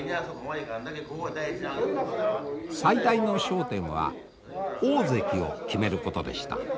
最大の焦点は大関を決めることでした。